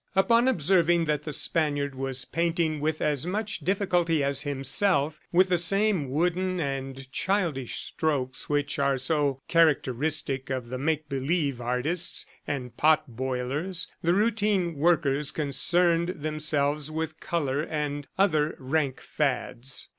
Upon observing that the Spaniard was painting with as much difficulty as himself, with the same wooden and childish strokes, which are so characteristic of the make believe artists and pot boilers, the routine workers concerned themselves with color and other rank fads.